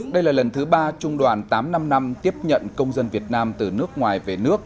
đây là lần thứ ba trung đoàn tám trăm năm mươi năm tiếp nhận công dân việt nam từ nước ngoài về nước